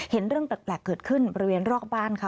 เห็นเรื่องแปลกเกิดขึ้นบริเวณรอบบ้านค่ะ